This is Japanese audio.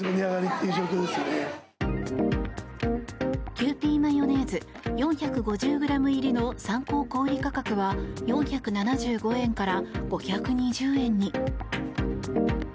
キユーピーマヨネーズ４５０ｇ入りの参考小売価格は４７５円から５２０円に。